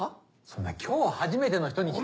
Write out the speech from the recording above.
そんな今日初めての人に。